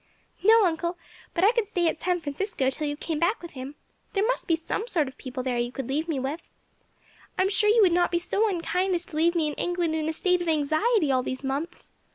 "No, uncle; but I could stay at San Francisco till you came back with him; there must be some sort of people there you could leave me with. I am sure you would not be so unkind as to leave me in England in a state of anxiety all these months.